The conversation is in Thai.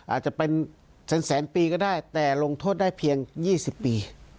อาจจะเป็นแสนปีก็ได้แต่ลงโทษได้เพียง๒๐ปี